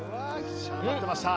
待ってました。